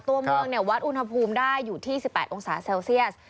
ตัวเมืองวัดอุณหภูมิได้อยู่ที่๑๘องศาเซลเซียส